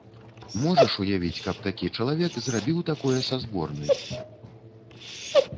Можаш уявіць, каб такі чалавек зрабіў такое са зборнай?